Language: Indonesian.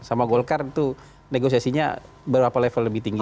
sama golkar itu negosiasinya berapa level lebih tinggi